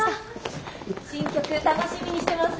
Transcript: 新曲楽しみにしてます。